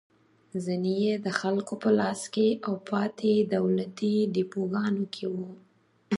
ځینې یې د خلکو په لاس کې او پاتې دولتي ډېپوګانو کې وو.